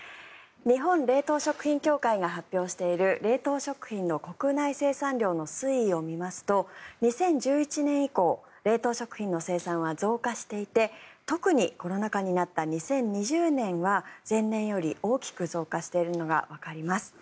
日本冷凍食品協会が発表している冷凍食品の国内生産量の推移を見ますと２０１１年以降冷凍食品の生産は増加していて特にコロナ禍になった２０２０年は前年より大きく増加しているのがわかります。